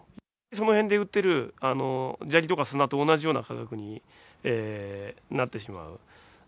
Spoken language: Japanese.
その辺で売ってる砂利とか砂と同じような価格になってしまう。